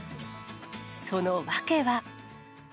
その訳は。